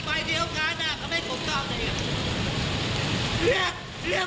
มันบอกว่าบัตรประชาชนไม่ถูกต้อง